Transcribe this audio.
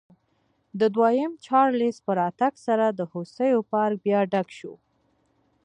د دویم چارلېز په راتګ سره د هوسیو پارک بیا ډک شو.